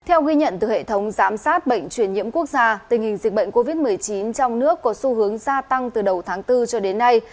theo ghi nhận từ hệ thống giám sát bệnh truyền nhiễm quốc gia tình hình dịch bệnh covid một mươi chín trong nước có xu hướng gia tăng từ đầu tháng bốn cho đến nay